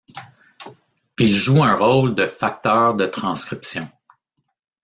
Il joue un rôle de facteur de transcription.